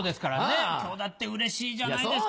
今日だってうれしいじゃないですか。